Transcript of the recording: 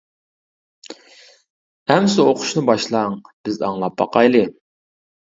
ئەمسە ئۇقۇشنى باشلاڭ، بىز ئاڭلاپ باقايلى!